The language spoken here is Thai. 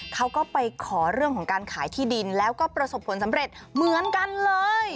เขาก็ไปขอเรื่องของการขายที่ดินแล้วก็ประสบผลสำเร็จเหมือนกันเลย